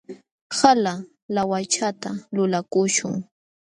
Hala laawachata lulakuśhun.